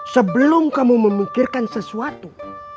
sebelum kamu memikirkan sesuatu